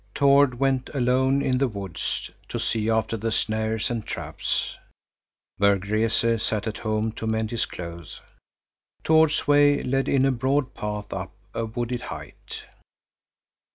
Tord went alone in the woods to see after the snares and traps. Berg Rese sat at home to mend his clothes. Tord's way led in a broad path up a wooded height.